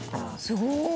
すごい！